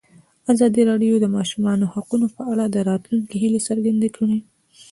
ازادي راډیو د د ماشومانو حقونه په اړه د راتلونکي هیلې څرګندې کړې.